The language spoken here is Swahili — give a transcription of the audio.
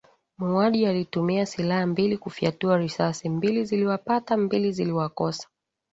Muuaji alitumia silaha mbili kufyatua risasi mbili ziliwapata mbili ziliwakosa